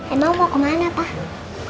emang mau kemana pak